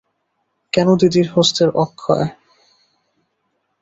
কেন দিদির হস্তের– অক্ষয়।